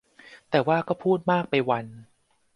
แต่ว่าก็พูดมากไปวัน